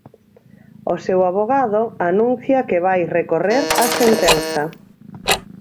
O seu avogado anuncia que vai recorrer a sentenza.